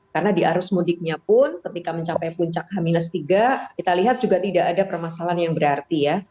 karena di arus mudiknya pun ketika mencapai puncak h tiga kita lihat juga tidak ada permasalahan yang berarti ya